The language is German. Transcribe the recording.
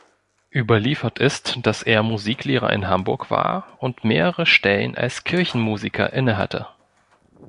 Überliefert ist, dass er Musiklehrer in Hamburg war und mehrere Stellen als Kirchenmusiker innehatte.